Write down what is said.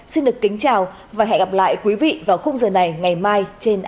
xin được kính chào và hẹn gặp lại quý vị vào khung giờ này ngày mai trên antv